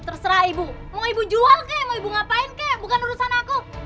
terserah ibu mau ibu jual kek mau ibu ngapain kek bukan urusan aku